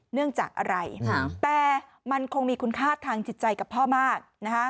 เนื่องจากอะไรแต่มันคงมีคุณค่าทางจิตใจกับพ่อมาก